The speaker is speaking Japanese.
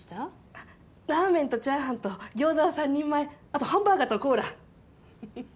あっラーメンとチャーハンとギョーザを３人前後ハンバーガーとコーラははっ。